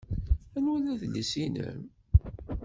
Anwa ay d adlis-nnem?